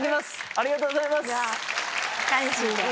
ありがとうございます！